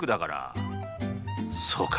そうか。